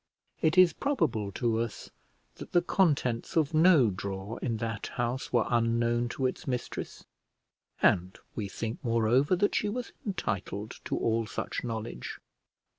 It is probable to us that the contents of no drawer in that house were unknown to its mistress, and we think, moreover, that she was entitled to all such knowledge.